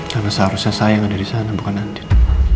karena seharusnya saya yang ada disana bukan adin